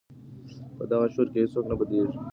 په دغه شور کي هیڅوک نه بېدېږي.